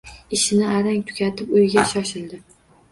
Ishini arang tugatib, uyiga shoshildi